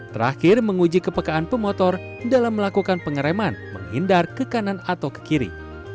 terakhir menguji kepekaan pemotor dalam melakukan pengereman menghindar ke kanan atau ke kiri